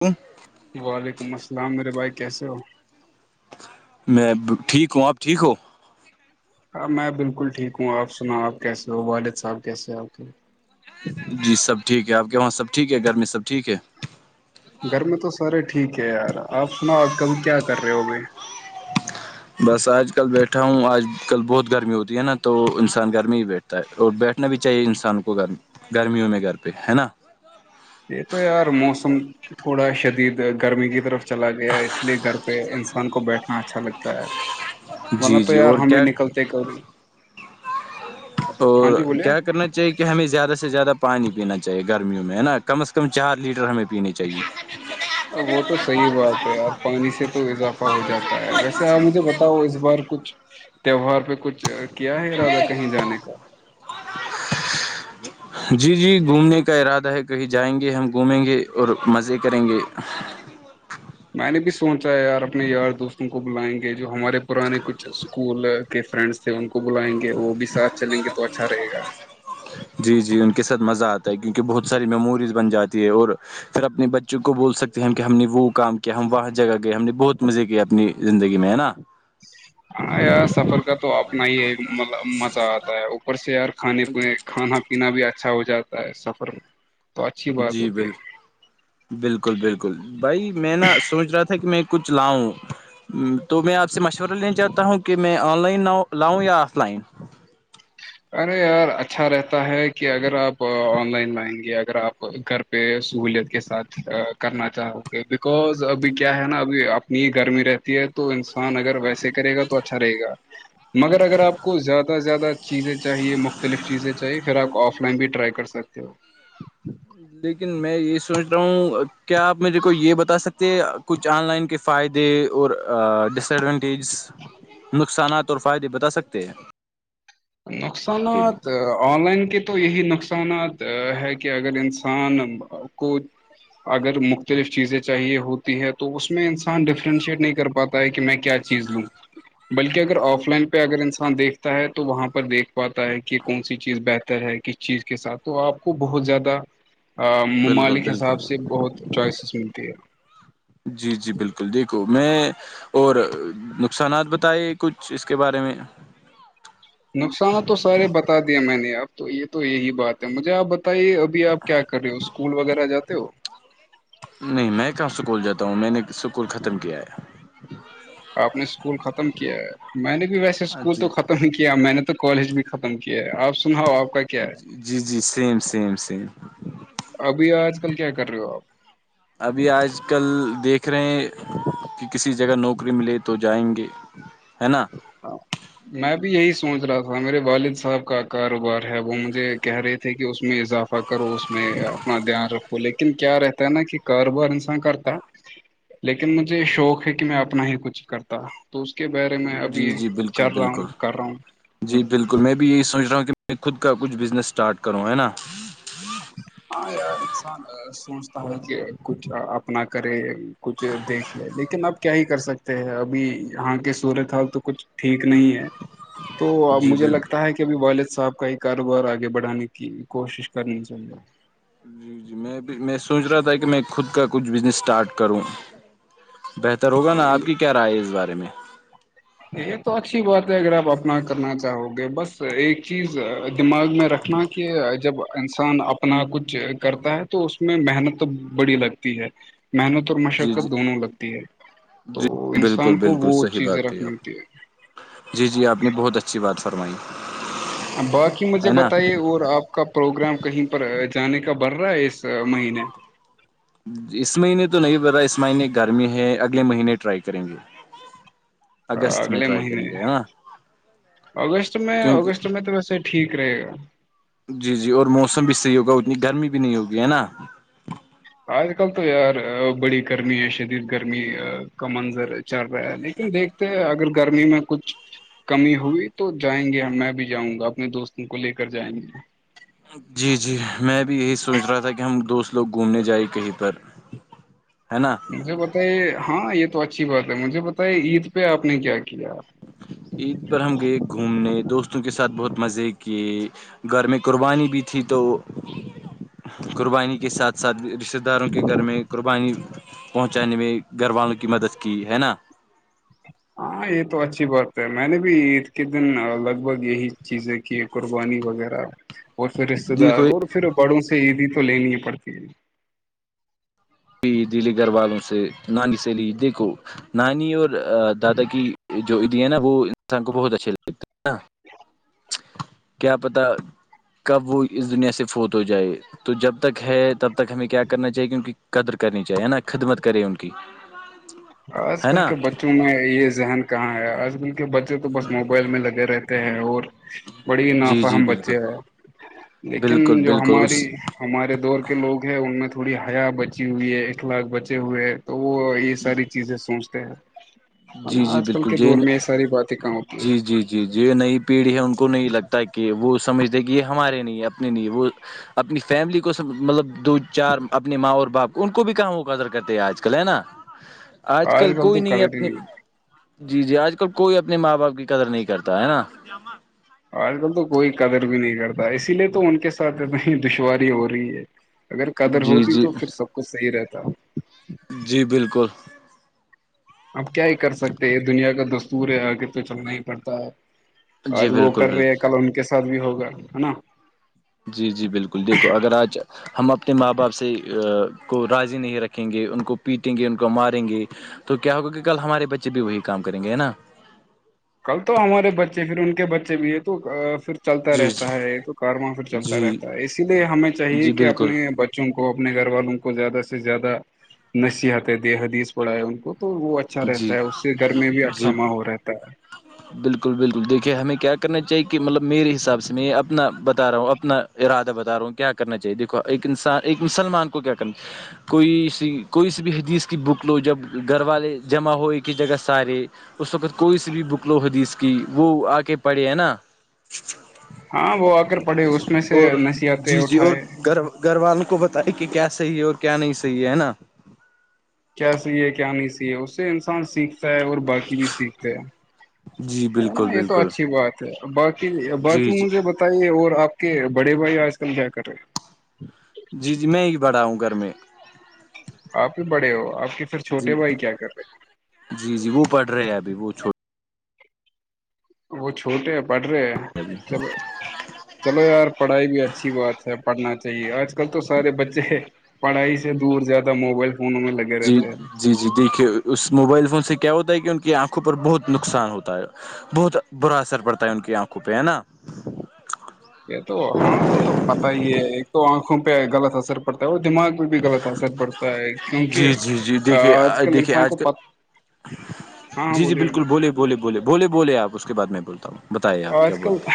ہوں [inaudible] وعلیکم السلام میرے بھائی کیسے ہو میں ٹھیک ہوں آپ ٹھیک ہو ہاں میں بالکل ٹھیک ہوں آپ سنا آپ کیسے ہو والد صاحب کیسے آپ کے جی سب ٹھیک ہے آپ کے وہاں سب ٹھیک ہے گرمی سب ٹھیک ہے گھر میں تو سارے ٹھیک ہے یار آپ سناو آ کبھی کیا کر رہے ہو بے بس آج کل بیٹھا ہوں آج کل بہت گرمی ہوتی ہے نا تو انسان گر میں ہی بیٹھا اور بیٹھنا بھی چاہیے انسان کو گ گرمیوں میں گھر پہ ہے نا یہ تو یار موسم تھوڑا شدید گرمی کی طرف چلا گیا اس لیے گر پہ انسان کو بیٹھنا اچھا لگتا ہے ورنہ جی تو جی یار اور ہم بھی کیا نکلتے کری تو جی بولیے کیا کرنا چ کہ ہمیں زیادہ سے زیادہ پانی پینا چاہیے گرمیوں میں ہے نا کم از کم چار لیٹر ہمیں پیننے چاہیے ا وہ تو صحیح بات ہے یار پانی سے تو اضافہ ہو جاتا ہے ویسے آپ مجھے بتاؤ اس بار کچھ تہوہار پہ کچھ کیا ہے ارادہ کہیں جانے کا ج [inaudible] جی جی گھومنے کا ارادہ ہے کہیں جائیں گے ہم گھومیں گے اور مزے کریں گے میں نے بھی سوچا ہے یار اپنے یار دوستوں کو بلائیں گے جو ہمارے پرانے کچھ اسکول کے فرینڈس تھے ان کو بلائیں گے وہ بھی ساتھ چلیں گے تو اچھا رہے گا جی جی ان کے ساتھ مزہ آتا ہے کیونکہ بہت ساری میموریز بن جاتی ہے اور پھر اپنے بچوں کو بول سکتے ہیں ہم کہ ہم نے وہ کام کیا ہم وہاں جگہ گئے ہم نے بہت مزے کیے اپنی زندگی میں ہے نا ہاں یار سفر کا تو اپنا ہی ہے مطلب مزہ آتا ہے اوپر سے یار کھانے پینے کھانا پینا بھی اچھا ہو جاتا ہے سفر میں تو اچھی بات جی ہوتی بال [inaudible] ہے بالکل بالکل بھائی میں نا سوچ رہا تھا کہ میں کچھ لاؤں تو میں آپ سے مشورہ لینا چاہتا ہوں کہ میں آن لائن لا لاؤں یا آف لائن ارے یار اچھا رہتا ہے کہ اگر آپ آن لائن مائیں گے اگر آپ گھرہ پہ سہولیت کے ساتھ کرنا چاہو گے بکوز ابھی کیا ہے نا ابھی اپنی ہی گرمی رہتی ہے تو انسان اگر ویسے کرے گا تو اچھا رہے گا مگر اگر آپ کو زیادہ سے زیادہ چیزیں چاہیے مختلف چیزیں چاہیے پھر آپ آف لائن بھی ٹرائی کر سکتے ہو لیکن میں یہ سوچ رہا ہوں کیا آپ مجے کو یہ بتا سکتے ہیں کچھ آن لائن کے فائدے اور ڈس ایڈوونٹیجز نقصانات اور فائدے بتا سکتے ہیں کے بھی نقصانات آن لائن کے تو یہی نقصانات ہے کہ اگر انسان کو اگر مختلف چیزیں چاہیے ہوتی ہے تو اس میں انسان ڈفرینشیٹ نہیں کر پاتا ہے کہ میں کیا چیز لوں بلکہ اگر آف لائن پہ اگر انسان دیکھتا ہے تو وہاں پر دیکھ پاتا ہے کہ کون سی چیز بہت تر ہے کس چیز کے ساتھ تو آپ کو بہت زیادہ بالکل ممالک بالکل حساب سے بہت چوائسیز ملتی ہے جی جی بالکل دیکھو میں اور نقصانات بتائے کچھ اس کے بارے میں نقصان تو سارے بتا دے میں نے اپ تو یہ تو یہی بات ہے مجھے آپ بتائیے اب اب بھی آپ کیا کر رہے ہو اسکول وغیرہ جاتے ہو نہیں میں کہاں سکول جاتا ہوں میں نے سکول ختم کیا ہے آپ نے اسکول ختم کیا ہے میں نے بھی ویسے اسکول جی تو ختم ہی کیا میں نے تو کالج بھی ختم کیا ہے آپ سناؤ آپ کا کیا ہے جی جی سیم سیم سیم ابھی آج کل کیا کر رہے ہو آپ ابھی آج کل دیکھ رہے ہیں کہ کسی جگہ نوکری ملے تو جائیں گے ہے نا ہاں [inaudible] میں بھی یہی سوچ رہا تھا میرے والد صاحب کا کاروبار ہے وہ مجھے کہہ رہے تھے کہ اس میں اضافہ کرو اس میں اپنا دھیان رکھو لیکن کیا رہتا ہے نا کہ کاروبار انسان کرتا لیکن مجھے شوق ہے کہ میں اپنا ہی کچھ کرتا تو اس کے بارے میں اب جی جی بالکل بالکل جی بالکل میں بھی یہی سوچ رہا ہوں کہ میں خود کا کچھ بزنس اسٹارٹ کروں ہے نا ہاں یار انسان [inaudible] سوچتا ہے کہ کچھ اپنا کرے کچھ دیکھے لیکن اب کیا ہی کر سکتے ابھی یہاں کے سورت حال تو کچھ ٹھیک نہیں ہے تو اب جی مجھے بالکل لگتا ہے کہ ابھی والد صاحب کا ایک کاروبار آگے بڑھانے کی کوشش کرنی چاہیے جی جی میں بھی میں سوچ رہا تھا کہ میں خود کا کچھ بزنس اسٹارٹ کروں بہتر ہوگا نا آپ کی کیا رائے ہے اس بارے میں یہ تو اچھی بات ہے اگر آپ اپنا کرنا چاہو گے بس ایک چیز دماغ میں رکھنا کہ جب انسان اپنا کچھ کرتا ہے تو اس میں محنت تو بڑی لگتی ہے محنت اور جی جی مشقت دونوں لگتی ہے جی تو بالکل انسان کو بالکل وہ صحیح چیزیں بات رکھ کہی آپ نے جی جی آپ نے بہت اچھی بات فرمائی باقی مجھے ہے نا بتائیے اور آپ کا پروگرام کہیں پر جانے کا بن رہا ہے اس مہینے اس مہینے تو نہیں ب رہا اس مہینے گرمی ہے اگلے مہینے ٹرائی کریں گے [inaudible] میں اگلے ٹرائی مہینے کریں گے ہے نا اگست میں کیونکہ اگست میں تو ویسے ٹھیک رہے گا جی جی اور موسم بھی صحیح ہوگا اتنی گرمی بھی نہیں ہوگی ہے نا آج کل تو یار بڑی گرمی ہے شدید گرمی کا منظر چل رہا ہے لیکن دیکھتے اگر گرمی میں کچھ کمی ہوئی تو جائیں گے میں بھی جاؤں گا اپنے دوستوں کو لے کر جائیں گے جی جی میں بھی یہی سوچ رہا تھا کہ ہم دوست لوگ گھومنے جائیں کہیں پر ہے نا مجھے بتائی ہاں یہ تو اچھی بات ہے مجھے بتے عید پہ آپ نے کیا کیا ایک بار ہم گئے گھومنے دوستوں کے ساتھ بہت مزے کیے گھر میں قربانی بھی تھی تو قربانی کے ساتھ ساتھ ر رشتہ داروں کے گھر میں قربانی پہنچانے میں گھر والوں کی مدد کی ہے نا ہاں یہ تو اچھی بات ہے میں نے بھی عید کے دن لگ بھگ یہی چیزیں کی قربانی وغیرہ اور پھر رشتتے دار دیکھو اور پھر بڑوں سے عیدی تو لینی ہی پڑتی ہے پ دلی گھر والوں سے نانی سےلی دیکھو نانی اور دادا کی جو عیدی ہے نا وہ انسان کو بہت اچھے لگتے ہیں نا ہاں [inaudible] کیا پتا کب وہ اس دنیا سے فوت ہو جائے تو جب تک ہے تب تک ہمیں کیا کرنا چاہیے کہ ان کی قدر کرنی چاہیے نا خدمت کرے ان کی آج ہے کل نا کے بچوں میں یہ ذہن کہاں ہے آج کل بچے تو بس موبائل میں لگے رہتے ہیں اور بڑی جی جی نافاہم بالکل بچے ہیں لیکن بالکل جو بالکل ہماری اس ہمارے دور کے لوگ ہیں ان میں تھوڑی حیا بچی ہوئی ہے اخلاق بچے ہوئے تو وہ یہ ساری چیزیں سوچتے ہیں جی نا جی آج کل بالکل کے دور میں یہ ساری باتیں کہاں ہوتی ہے جی جی جی یہ نئی پیڑھی ہے ان کو نہیں لگتا کہ وہ سمجھتے کہ یہ ہمارے نہیں ہے اپنے نہیں ہے وہ اپنی فیملی کو سب مطلب دو چار اپنی ماں اور باپ ان کو بھی کہم وہ قدر کرتے ہیں آج کل ہے نا آج کل کوئی نہیں ہےب جی جی آج کل کوئی اپنے ماں باپ کی قدر نہیں کرتا ہے نا آج کل تو کوئی قدر بھی نہیں کرتا اسی لیے تو ان کے ساتھ اتنی دشواری ہو رہی ہے اگر قدر جی ہوتی جی تو پھر سب کچھ صحیح رہتا جی بالکل اب کیا ہی کر سکتے یہ دنیا کا دستور ہے آگے تو چلنا ہی پڑتا ہے آج جی وہ بالکل کر رہے ہیں بالکل کل ان کے ساتھ بھی ہوگا ہے نا جی جی بالکل دیکھو اگر آج ہم اپنے ماں باپ سے کو راضی نہیں رکھیں گے ان کو پیٹیں گے ان کو ماریں گے تو کیا ہوگا کہ کل ہمارے بچے بھی وہی کام کریں گے ہے نا کل تو ہمارے بچے پھر ان کے بچے بھی ہے توھر چلتا جی رہتا جی ہے یہ تو کار وہاں پھر چلتا جی رہتا ہے اسی لیے ہمیں چاہیے جی کہ بالکل اپنے ب بچوں کو اپنے گھر والوں کو زیادہ سے زیادہ نصیحت ہے دے حدیث پڑھا ہے ان کو تو وہ اچا اچھا جی رہتا ہے اس سے گھر میں بھی اچھا جی ماحول رہتا ہے [unintelligible] بالکل بالکل دیکھیے ہمیں کیا کرنا چاہیے کہ مطلب میرے حساب سے میں یہ اپنا بتا رہا ہوں اپنا ارادہ بتا رہا ہوں کیا کرنا چاہیے دیکھو ایک انسان ایک مسلمان کو کیا کرنا کوئی سی کوئی س بھی حدیث کی بک لو جب گھر والے جمع ہو کہ جگہ ساری اس وقت کوئی سی بھی بکل و حدیث کی وہ آ کے پڑھے ہیں نا ہاں وہ آ کر پڑے اس میں سے اور نسی آتے جی جی اور اٹھائے گھر گھر والوں کو بتیا کہ کیا صحیح ہے اور کیا نہیں صحی ہے نا کیا سیے کیا نہیں سیے اس سے انسان سیکھتا ہے اور باقی بھی سیکھتا ہے جی نا بالکل یہ تو بالکل اچھی بات ہے باقی جی باقی جی مجھے ب بتائیے اور آپ کے بڑے بھائی آج کل کیا کر رہے ہیں جی جی میں ہی بڑا ہوں گھر میں آپ ہی بڑے ہو آپ کے پھر چھوٹے جی بھائی کیا کر رہے جی جی وہ پڑھ رہے ابھی وہ چھوٹ وہ چھوٹے پڑ رہے چلو چلو یار پڑھائی بھی اچھی بات ہے پڑھنا چاہیے آج کل تو سارے بچے پڑھائی سے دور زیادہ موبائل فونوں میں لگ جی جی جی دیکھیے اس موبائل فون سے کیا ہوتا ہے کہ ان کی آنکھوں پر بہت نقصان ہوتا ہے بہت برا اثر پڑتا ہے ان کی آنکھوں پہ ہے نا یہ تو ہاں وہ تو پتا ہی ہے ایک تو آنکھوں پہ غلط اثر پڑتا ہے وہ دماغ بھی غلط اثر پڑتا ہے کیونکہ جی جی جی دیکھیے آج کل دیکھیے انسان کو آج کل پ جی جی بالکل بولے بولے بولے بھولے بولے آپ اس کے بعد میں بولتا ہوں بتائیے آپ کیا آج کل بولتے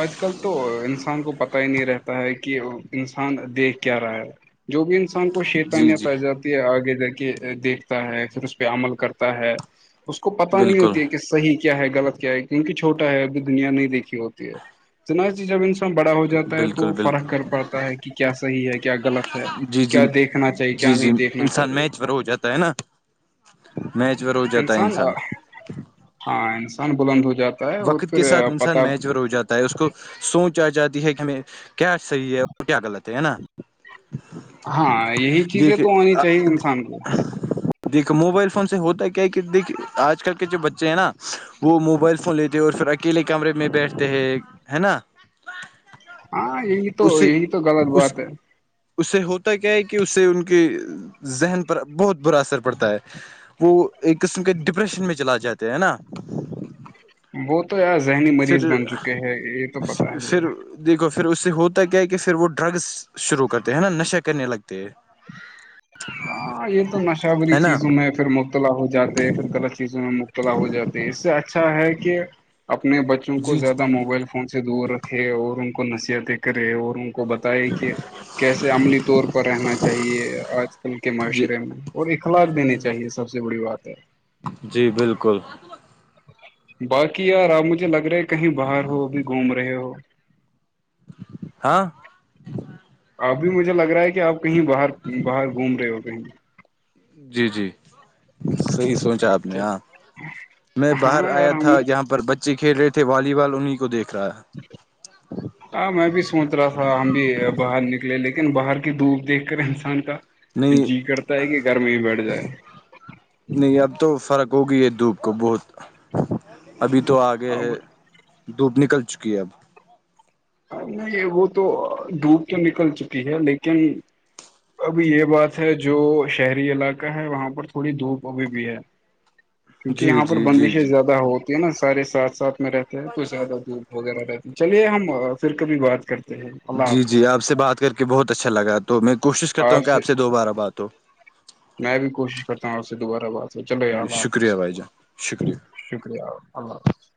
آج کل تو انسان کو پتا ہی نہیں رہتا ہے کہ انسان دیکھ کیا رہا ہے جو بھی انسان کو ہیں؟ شیطان جی جی تاعجر آگے جا کے دیکھتا ہے پھر اس پہ عمل کرتا ہے اس کو پتا نہیں بالکل ہوتی ہے کہ صیح کیا ہے غلط کیا ہے کیونک چھوٹا ہے دنیا نہیں دیکھی ہوتی ہے تونا چیز اب ان بڑا ہو جاتا ہے تو بالکل بالکل فرق کر پاتا ہے کہ کیا صحیح ہے کیا غلط ہے جی جی کیا دیکھ دیکھنا چاہیے کیا جی جی نہیں دیکھنا انسان چاہیے میچ پر ہو جاتا ہے نا میچ و [inaudible] انسان ہاں انسان بلند ہو جاتا ہے اور وقت کے ساتھ پھر پت انسان میچ ور ہو جاتا ہے اس کو سوچ آ جاتی ہے کہ ہمیں کیا صحیح ہے اور کیا غط ہے ہے نا ہاں یہی جی چیزیں کہ تو آنی چاہیے انسان کو [inaudible] دیکو موبائل فون سے ہوتا کیا ہے کہ دیک آج کل کے جو بچے ہیں نا وہ موبائل فون لیتے اور پھر اکیلے کمرے میں بیٹھتے ہیں ہے نا ہاں یہی تو اس سے یہی تو غلط اس بات ہے اس سے ہوتا کیا ہے کہ اس سے ان کے ذہن پر بہت برا اثر پڑتا ہے وہ ایک قسم کے ڈپریشن میں چلا جاتے ہے نا وہ تو یار ذہنی مریض پھر بن چکے ہے یہ تو پت ہی ہے پھر دیکھو پھر اس سے ہوتا کیا ہے کہ پھر وہ ڈرگس شروع کرتے ہیں نا نشہ کرنے لگتے ہے ہاں [inaudible] ہاں یہ تو نشہورری چیزوں میں پھر مبتلا ہو جاتے پھر غلط چیزوں میں مبتد ہو جاتی اس سے اچھا ہے کہ اپنے بچوں کو جی زیادہ موبائل فون سے دور رکھے اور ان کو نصیحتیں کرے اور ان کو ب ہے کہ کیسے عملی طور پر رہنا چاہیے آج کے جی معاشرے میں اور اخلاق دینی چاہیے سب سے بڑی بات ہے جی بالکل باقی یار آپ مجھے لگ رہا ہے کہیں باہر ہو اب گھوم رہے ہو ہاں اب بھی مجھے لگ رہا ہے کہ آپ کہیں باہر باہر گھوم رہے ہو کہیں جی جی صحیح سوچا آپ نے اچھا ہاں میں باہر ہاں یار آیا ہم تھا جہاں پر بچے بچے کھیل رہے تھے والی بال انہیں کویکھ رہا ہے [inaudible] ہاں میں بھی سوچ رہا تھا ہم بھی باہر نکلے لیکن باہر کی دھوپ دیکھ کر انسان کا نہیں جی کرتا ہے کہ گھر میں ہی بیٹھ جائے نہیں اب تو فرق ہوگی ہے دھوپ کو بہت ابھی تو آگے ہے دھوپ نکل چکی ہے اب نہیں وہ تو ڈوب تو نکل چکی ہے لیکن ابھی یہ بات ہے جو شہری علاقہ ہے وہاں پر تھوڑی دھوپ ابھی بھی ہے ہ [inaudible] کیونکہ یہاں پر بندشیں زیادہ ہو نا سارے ساتھ ساتھ میں رہتے ہیں تو زیادہ دور وغیرہ رہتے چلیے ہم پھر کبھی بات کرتے ہیں اللہ جی جی حافظ آپ سے بات کر کے بہت اچھا لگا تو میں کوشش کرتا ہوں کہ آپ سے دوبارہ بات ہو میں بھی کوشش کرتا ہوں آپ سے دوبارہ بات ہو چلو جی اللہ شکریہ حافظ بھائی جان شکریہ شکریہ اللہ حافظ